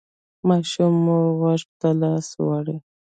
ماشوم مو غوږ ته لاس وړي؟